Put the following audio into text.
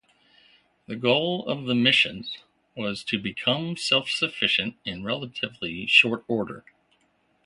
The goal of the missions was to become self-sufficient in relatively short order.